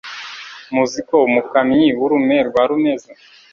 Muzi ko umukamyi w'urume rwa Rumeza,